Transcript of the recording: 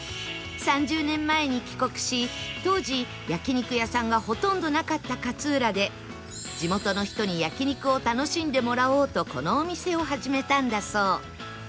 ３０年前に帰国し当時焼肉屋さんがほとんどなかった勝浦で地元の人に焼肉を楽しんでもらおうとこのお店を始めたんだそう